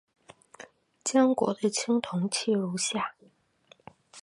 江国的青铜器如下。